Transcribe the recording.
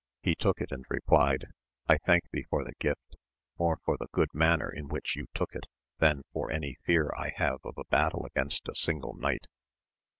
He took it and replied, I thank thee for the gift, more for the good manner in which you took it than for any fear I hAve of a battle against a single knight.